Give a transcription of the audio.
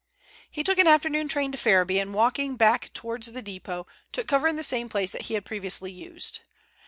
He took an afternoon train to Ferriby, and walking back towards the depot, took cover in the same place that he had previously used.